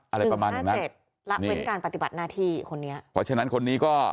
อะไรประมาณอย่างนั้นเสร็จละเว้นการปฏิบัติหน้าที่คนนี้เพราะฉะนั้นคนนี้ก็